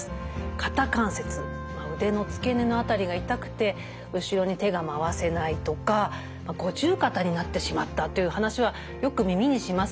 肩関節腕の付け根の辺りが痛くて後ろに手が回せないとか五十肩になってしまったという話はよく耳にしますけれども。